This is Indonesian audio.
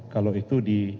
kalau itu di